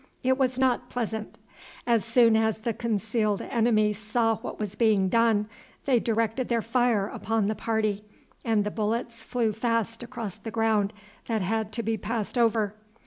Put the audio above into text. It was not pleasant. As soon as the concealed enemy saw what was being done they directed their fire upon the party, and the bullets flew fast across the ground that had to be passed over.